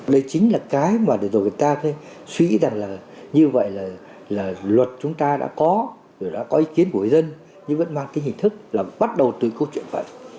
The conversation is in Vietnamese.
đây chính là cái mà để rồi người ta suy nghĩ rằng là như vậy là luật chúng ta đã có rồi đã có ý kiến của người dân nhưng vẫn mang cái hình thức là bắt đầu từ câu chuyện vậy